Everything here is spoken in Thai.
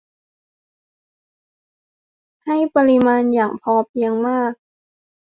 ให้ปริมาณอย่างพอเพียงมาก